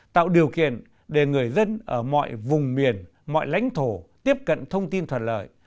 tạo điều kiện để người dân ở mọi vùng miền mọi lãnh thổ tiếp cận thông tin thuận lợi